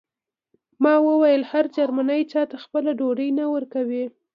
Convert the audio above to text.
ما وویل هر جرمنی چاته خپله ډوډۍ نه ورکوي